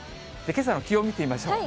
けさの気温見てみましょうか。